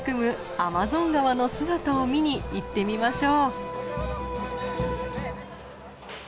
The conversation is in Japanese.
アマゾン川の姿を見に行ってみましょう。